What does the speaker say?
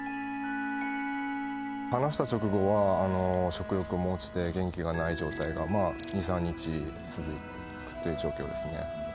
離した直後は食欲も落ちて、元気がない状態が２、３日続くという状況ですね。